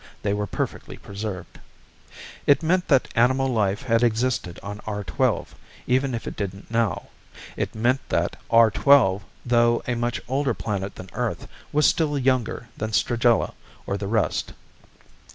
They were perfectly preserved. It meant that animal life had existed on R 12, even if it didn't now. It meant that R 12, though a much older planet than Earth, was still younger than Stragella or the rest.